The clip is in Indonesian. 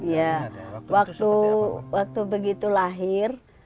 ya waktu begitu lahir